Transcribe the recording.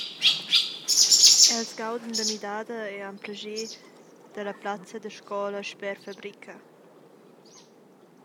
Els gaudan la midada e han plascher dalla plazza da scola sper fabrica.